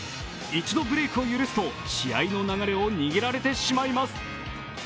一度ブレークを許すと試合の流れを握られてしまいます。